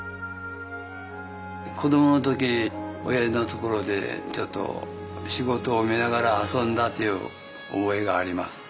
子どもの時おやじのところでちょっと仕事を見ながら遊んだという覚えがあります。